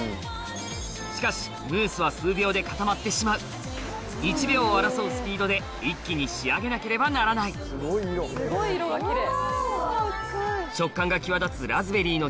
しかしムースは数秒で固まってしまう１秒を争うスピードで一気に仕上げなければならないすごい色がキレイ。